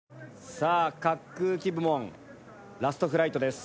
さあ滑空機部門ラストフライトです。